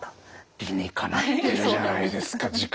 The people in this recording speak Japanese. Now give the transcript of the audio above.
理にかなってるじゃないですか時間栄養学。